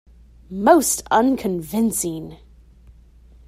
Most unconvincing!